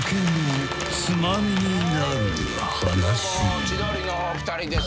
今日も千鳥のお二人です。